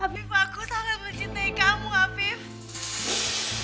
afif aku sangat mencintai kamu afif